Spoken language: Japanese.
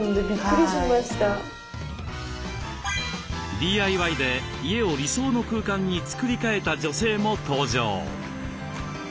ＤＩＹで家を理想の空間に作り替えた女性も登場。